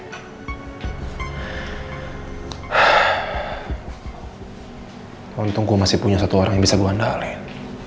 kalau gitu gue masih punya satu orang yang bisa gue andalin